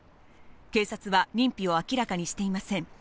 警察は認否を明らかにしていません。